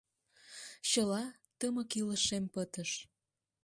«Чыла, тымык илышем пытыш.